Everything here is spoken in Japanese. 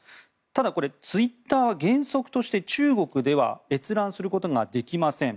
ただこれ、ツイッターは原則として中国では閲覧することができません。